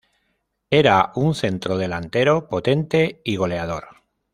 Era un centrodelantero potente y goleador.